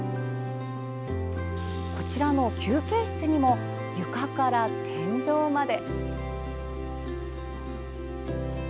こちらの休憩室にも床から天井まで。